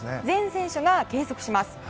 全選手が計測します。